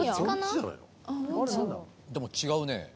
でも違うね。